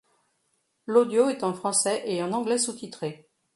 L'audio est en français et en anglais sous-titré.